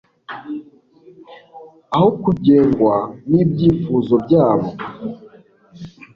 aho kugengwa n’ibyifuzo byabo,